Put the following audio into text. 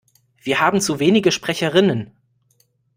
Wir haben zu wenige Sprecherinnen.